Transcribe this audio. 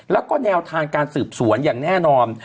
แล้วก็แนวทางการสืบสวนอย่างแน่นอน